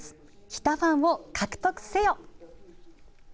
日田ファンを獲得せよ。